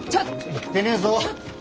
言ってねえぞ。